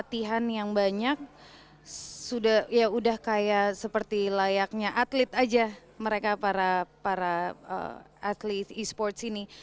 latihan yang banyak sudah ya udah kayak seperti layaknya atlet aja mereka para atlet e sports ini